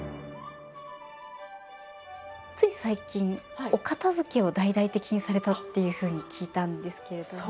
つい最近お片づけを大々的にされたっていうふうに聞いたんですけれども。